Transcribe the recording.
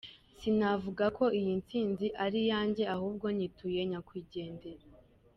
Sinavuga ko iyi ntsinzi ari iya njye ahubwo nyituye nyakwigendera.